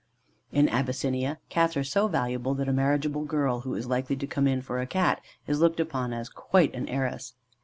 In Abyssinia, Cats are so valuable, that a marriageable girl who is likely to come in for a Cat, is looked upon as quite an heiress.